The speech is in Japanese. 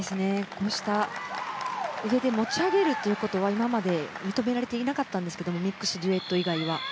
こうした上で持ち上げることは今まで認められていなかったんですがミックスデュエット以外は。